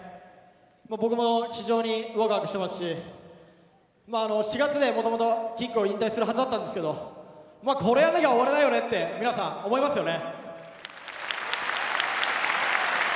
僕も非常にワクワクしてますし４月でもともとキックを引退するはずだったんですけどこのままじゃ終われないよねって皆さん、思いますよね。